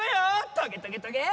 トゲトゲトゲー！